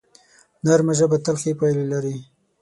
نرمه ژبه تل ښې پایلې لري